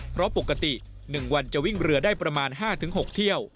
เพราะปกติ๑วันจะวิ่งเรือได้ประมาณ๕๖เที่ยว